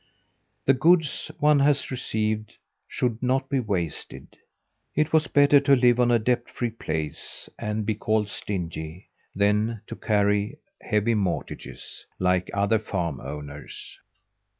The goods one has received should not be wasted. It was better to live on a debt free place and be called stingy, than to carry heavy mortgages, like other farm owners.